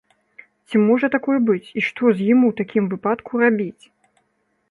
Ці можа такое быць і што з ім у такім выпадку рабіць?